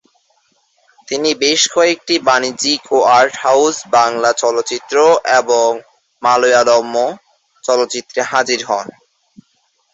তিনি বেশ কয়েকটি বাণিজ্যিক ও আর্ট-হাউজ বাংলা চলচ্চিত্র এবং মালয়ালম চলচ্চিত্রে হাজির হন।